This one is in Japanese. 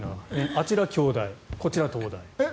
あちらは京大、こちらは東大。